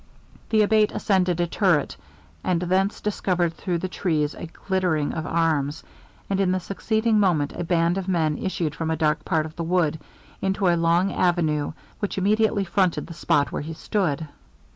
The Abate ascended a turret, and thence discovered through the trees a glittering of arms, and in the succeeding moment a band of men issued from a dark part of the wood, into a long avenue which immediately fronted the spot where he stood.